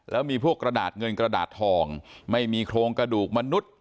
แล้วมีพวกกระดาษเงินกระดาษทองไม่มีโครงกระดูกมนุษย์